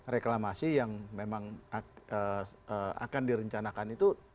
reklamasi yang memang akan direncanakan itu